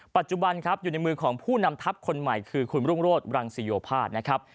ปัจจุบันครับอยู่ในมือของผู้นำทัพคนใหม่คือคุณรุ่งโรศรังสิโยภาษณ์นะครับ